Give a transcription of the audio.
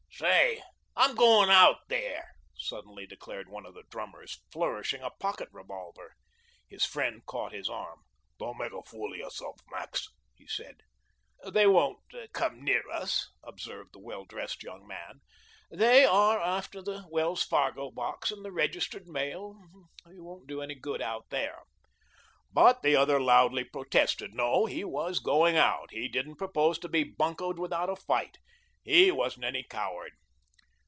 "Say, I'm going out there," suddenly declared one of the drummers, flourishing a pocket revolver. His friend caught his arm. "Don't make a fool of yourself, Max," he said. "They won't come near us," observed the well dressed young man; "they are after the Wells Fargo box and the registered mail. You won't do any good out there." But the other loudly protested. No; he was going out. He didn't propose to be buncoed without a fight. He wasn't any coward.